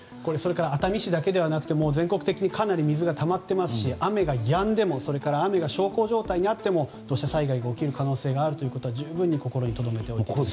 熱海市だけではなくて全国的にかなり雨がたまっていますし雨がやんでも雨が小康状態になっても土砂災害が起きる可能性があることを十分に心にとどめておいてください。